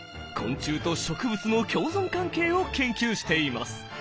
昆虫と植物の共存関係を研究しています。